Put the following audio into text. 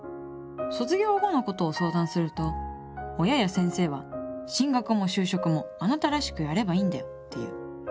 卒業後のことを相談すると親や先生は「進学も就職もあなたらしくやればいいんだよ」って言う。